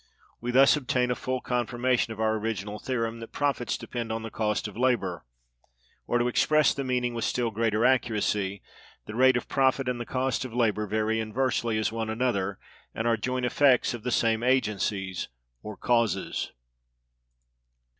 We thus obtain a full confirmation of our original theorem that Profits depend on the Cost of Labor: or, to express the meaning with still greater accuracy, the rate of profit and the cost of labor vary inversely as one another, and are joint effects of the same agencies or causes.